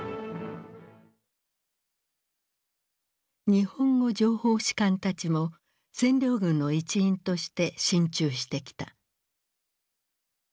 日本語情報士官たちも占領軍の一員として進駐してきた。